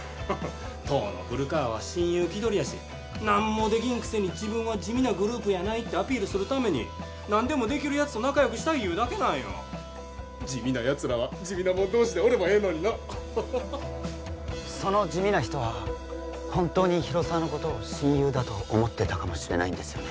当の古川は親友気取りやし何もできんくせに自分は地味なグループやないってアピールするために何でもできるやつと仲よくしたいいうだけなんよ地味なやつらは地味なもん同士でおればええのになその地味な人は本当に広沢のことを親友だと思ってたかもしれないんですよね